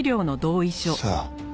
さあ。